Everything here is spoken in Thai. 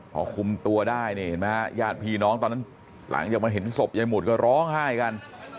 พอคุมตัวได้นี่เห็นไหมฮะญาติพี่น้องตอนนั้นหลังจากมาเห็นศพยายหมุดก็ร้องไห้กัน